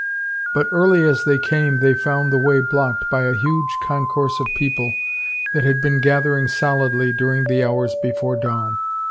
But early as they came they found the way blocked by a huge concourse of people that had been gathering solidly during the hours before dawn.